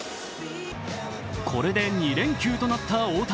これで２連休となった大谷。